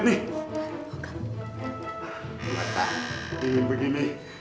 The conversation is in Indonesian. berarti mending begini